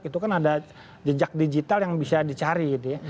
itu kan ada jejak digital yang bisa dicari gitu ya